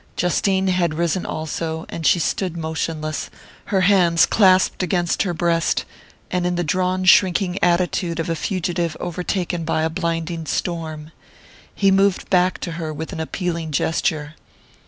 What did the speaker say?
Justine had risen also, and she stood motionless, her hands clasped against her breast, in the drawn shrinking attitude of a fugitive overtaken by a blinding storm. He moved back to her with an appealing gesture.